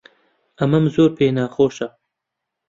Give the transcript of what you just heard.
ئەمەم زۆر پێ ناخۆشە.